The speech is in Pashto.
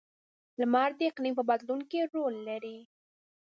• لمر د اقلیم په بدلون کې رول لري.